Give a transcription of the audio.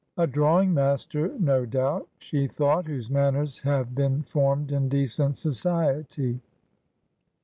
' A drawing master, no doubt,' she thought, ' whose manners have been formed in decent society.'